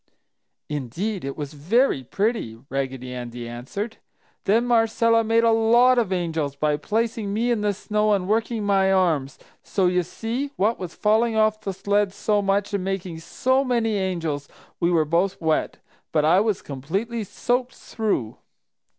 "Indeed it was very pretty!" Raggedy Andy answered. "Then Marcella made a lot of 'angels' by placing me in the snow and working my arms; so you see, what with falling off the sled so much and making so many 'angels,' we both were wet, but I was completely soaked through.